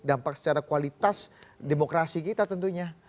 dampak secara kualitas demokrasi kita tentunya